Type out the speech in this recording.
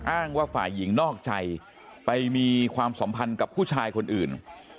อ้างว่าฝ่ายหญิงนอกใจไปมีความสัมพันธ์กับผู้ชายคนอื่น